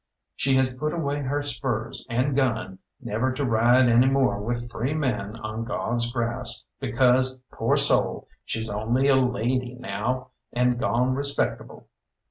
She has put away her spurs and gun never to ride any more with free men on God's grass, because, poor soul! she's only a lady now and gone respectable.